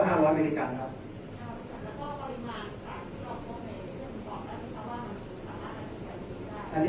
แต่ว่าไม่มีปรากฏว่าถ้าเกิดคนให้ยาที่๓๑